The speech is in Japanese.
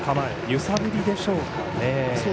揺さぶりでしょうかね。